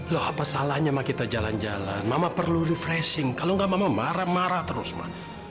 loh apa salahnya ma kita jalan jalan mama perlu refreshing kalau gak mama marah marah terus mah